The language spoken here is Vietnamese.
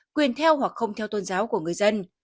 quyền theo hoặc không theo tôn giáo của người dân